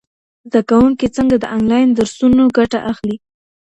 زده کوونکي څنګه د انلاین درسونو ګټه اخلي؟